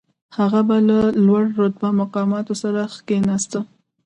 هغه به له لوړ رتبه مقاماتو سره کښېناسته.